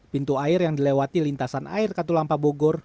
pintu air yang dilewati lintasan air katulampa bogor